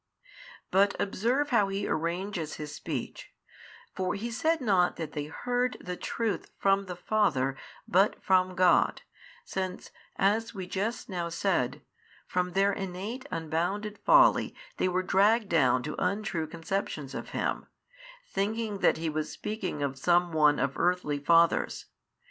But observe how He arranges His speech: for He said not that they heard the truth from the Father but from God, since, as we just now said, from their innate unbounded folly they were dragged down to untrue conceptions of Him, thinking that He was speaking of some one of earthly fathers.